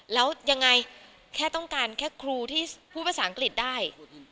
แล้วยังไงแค่ต้องการแค่ครูที่พูดภาษาอังกฤษได้